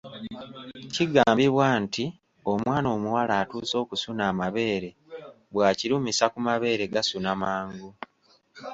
Kigambibwa nti omwana omuwala atuuse okusuna amabeere bw'akirumisa ku mabeere gasuna mangu.